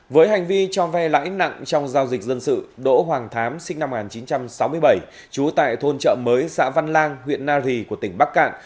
với hành vi cho ve lãnh nặng trong giao dịch dân sự đỗ hoàng thám sinh năm một nghìn chín trăm sáu mươi bảy chú tại thôn chợ mới xã văn lang huyện nari của tỉnh bắc cạn